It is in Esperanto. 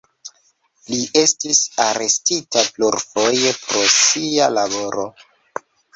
Li estis arestita plurfoje pro sia laboro.